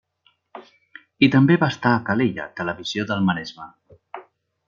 I també va estar a Calella Televisió del Maresme.